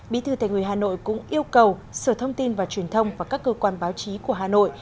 bí thư thành ủy hà nội cũng yêu cầu sở thông tin và truyền thông và các cơ quan báo chí của hà nội